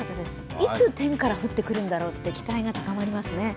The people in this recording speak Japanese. いつ天から降ってくるんだろうって、期待が高まりますね。